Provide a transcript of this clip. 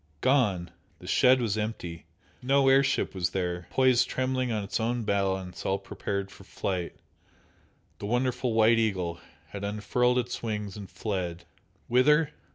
Gone! The shed was empty! No air ship was there, poised trembling on its own balance all prepared for flight, the wonderful "White Eagle" had unfurled its wings and fled! Whither?